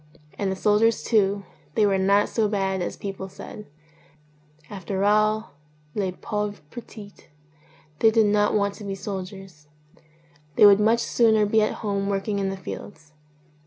And the soldiers too, they were not so bad as people said; after all les pawores petits, they did not want to be soldiers ; they would much sooner be at home working in the fields.